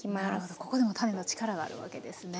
ここでも種の力があるわけですね。